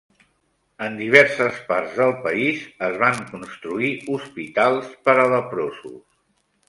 En diverses parts del país es van construir hospitals per a leprosos.